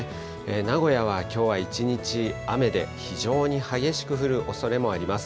名古屋はきょうは一日雨で非常に激しく降るおそれもあります。